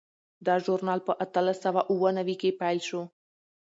دا ژورنال په اتلس سوه اووه نوي کې پیل شو.